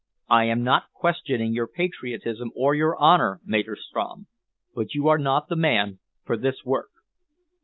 I am not questioning your patriotism or your honour, Maderstrom, but you are not the man for this work."